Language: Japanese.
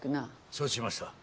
承知しました。